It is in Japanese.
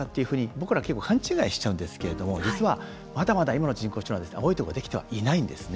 僕らは勘違いしちゃうんですけどまだまだ実は今の人工知能は青いところできていないんですね。